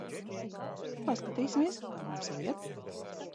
Paskatīsimies, kā mums iet.